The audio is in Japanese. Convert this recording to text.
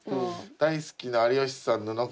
「大好きな有吉さん布川